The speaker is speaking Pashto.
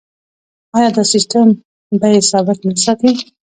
آیا دا سیستم بیې ثابت نه ساتي؟